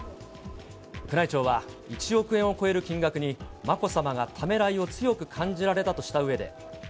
宮内庁は１億円を超える金額に、まこさまがためらいを強く感じられたとしたうえで。